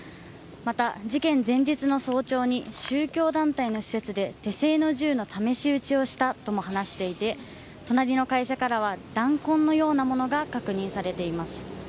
また、事件前日の早朝に、宗教団体の施設で手製の銃の試し撃ちをしたとも話していて、隣の会社からは弾痕のようなものが確認されています。